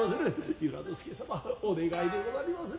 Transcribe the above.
由良之助様お願いでござりまする。